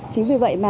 chính vì vậy